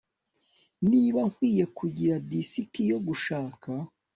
niba nkwiye kugira disiki yo gushaka